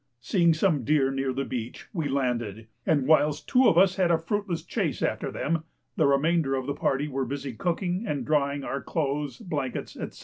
Seeing some deer near the beach, we landed, and whilst two of us had a fruitless chase after them the remainder of the party were busy cooking and drying our clothes, blankets, &c.